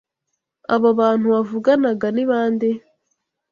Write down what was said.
Abo bantu wavuganaga ni bande?